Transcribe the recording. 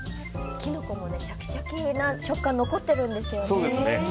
キノコのシャキシャキの食感が残ってるんですよね。